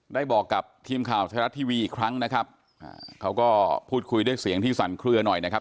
ได้บอกกับทีมข่าวไทยรัฐทีวีอีกครั้งนะครับอ่าเขาก็พูดคุยด้วยเสียงที่สั่นเคลือหน่อยนะครับ